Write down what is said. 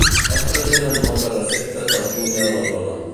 És present en moltes receptes de la cuina de la zona.